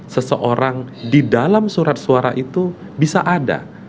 seseorang di dalam surat suara itu bisa ada